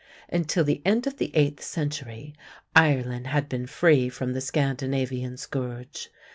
Until the end of the eighth century Ireland had been free from the Scandinavian scourge.